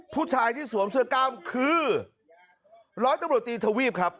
ผู้ชายที่สวมเสื้อกล้ามคือร้อยตำรวจตีทวีปครับ